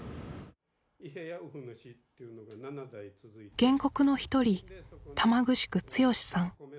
原告の一人玉城毅さん